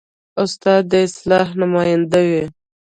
استاد د اصلاح نماینده وي.